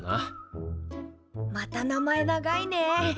また名前長いね。